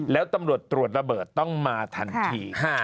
แล้วตำรวจตรวจระเบิดต้องมาทันที